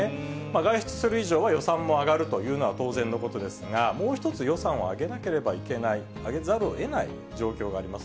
外出する以上は予算も上がるというのは当然のことですが、もう一つ予算をあげなければいけない、上げざるをえない状況があります。